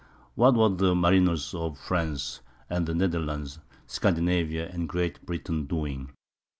What were the mariners of France and the Netherlands, Scandinavia and Great Britain, doing?